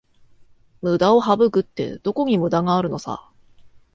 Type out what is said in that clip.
ムダを省くって、どこにムダがあるのさ